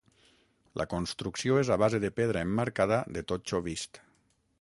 La construcció és a base de pedra emmarcada de totxo vist.